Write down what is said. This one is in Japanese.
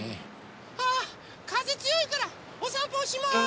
あかぜつよいからおさんぽおしまい！